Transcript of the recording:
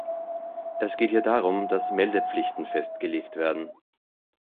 Es geht hier darum, dass Meldepflichten festgelegt werden.